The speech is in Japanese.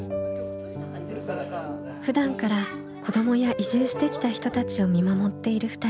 ふだんから子どもや移住してきた人たちを見守っている２人。